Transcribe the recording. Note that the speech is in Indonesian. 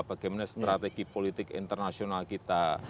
bagaimana strategi politik internasional kita